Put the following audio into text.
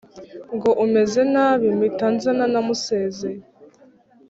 ngo umeze nabi mpitanza ntanamusezeye.".